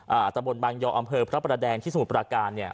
ตะบนบางยออำเภอพระประแดงที่สมุทรปราการเนี่ย